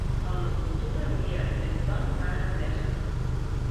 El nou d'octubre en Biel i en Ton van a Gandesa.